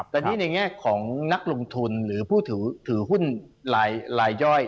แต่นี่ในแง่ของนักลงทุนหรือผู้ถือหุ้นรายย่อย